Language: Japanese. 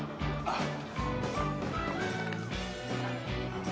あっ。